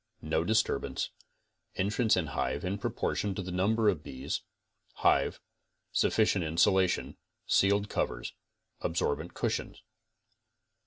No disturbance. Entrance and hive in proportion to the number of bees. Hive. Sufficient insulation. Sealed covers. Absorbent cushions?